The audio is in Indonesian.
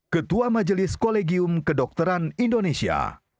ketua majelis kolegium kedokteran indonesia